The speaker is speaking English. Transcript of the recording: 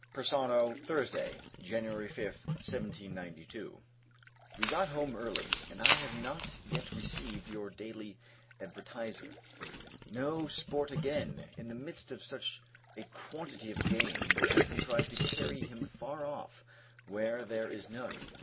Persano, Thursday, [Jan. 5th, 1792.] We got home early, and I have not yet received your Daily Advertiser. No sport, again! In the midst of such a quantity of game, they have contrived to carry him far off, where there is none.